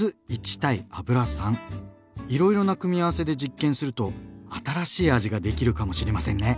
いろいろな組み合わせで実験すると新しい味ができるかもしれませんね！